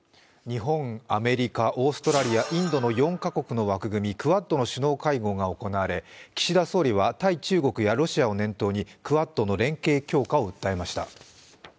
日本、アメリカ、オーストラリアインドの４カ国の枠組みクアッドの首脳会合が行われ岸田総理は対中国やロシアを念頭にクアッドの連携強化を訴えました。